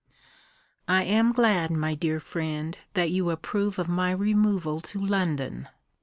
I am glad, my dear friend, that you approve of my removal to London.